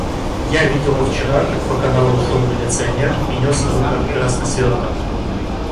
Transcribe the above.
Я видела вчера, как по каналу шёл милиционер и нёс на руках красный свёрток.